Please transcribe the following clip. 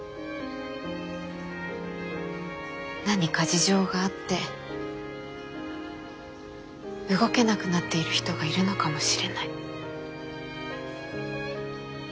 何か事情があって動けなくなっている人がいるのかもしれない。